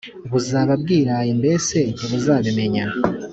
Buzaba bwiraye mbese ntuzabimenya